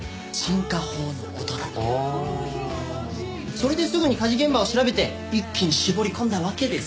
それですぐに火事現場を調べて一気に絞り込んだわけです。